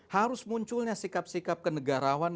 harus munculnya sikap sikap kenegarawan